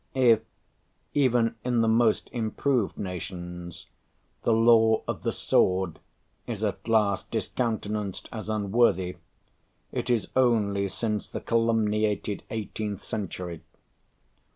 If, even in the most improved nations, the law of the sword is at last discountenanced as unworthy, it is only since the calumniated eighteenth century.